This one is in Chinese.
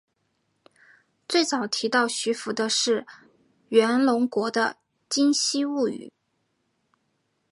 最早提到徐福的是源隆国的今昔物语。